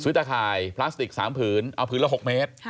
ตะข่ายพลาสติก๓ผืนเอาผืนละ๖เมตร